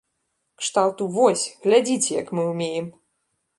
Кшталту, вось, глядзіце, як мы ўмеем!